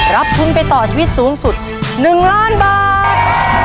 รับทุนไปต่อชีวิตสูงสุด๑ล้านบาท